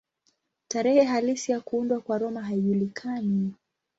Tarehe halisi ya kuundwa kwa Roma haijulikani.